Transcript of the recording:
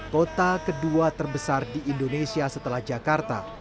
kota kedua terbesar di indonesia setelah jakarta